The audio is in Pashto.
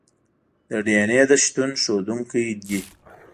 د ډي این اې د شتون ښودونکي دي.